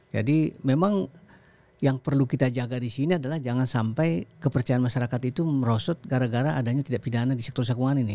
jadi memang yang perlu kita jaga di sini adalah jangan sampai kepercayaan masyarakat itu merosot gara gara adanya tindak pidana di sektor jasa keuangan ini